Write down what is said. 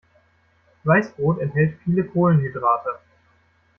Weißbrot enthält viele Kohlenhydrate.